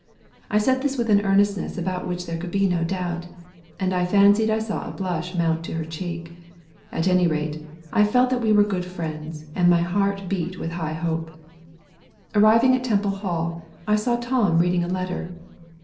I said this with an earnestness about which there could be no doubt, and I fancied I saw a blush mount to her cheek. At any rate, I felt that we were good friends, and my heart beat high with hope. Arriving at Temple Hall, I saw Tom reading a letter.